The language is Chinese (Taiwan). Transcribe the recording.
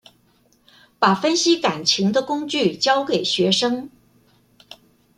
把分析感情的工具教給學生